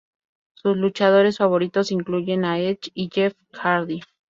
Sus luchadores favoritos incluyen a Edge y Jeff Hardy.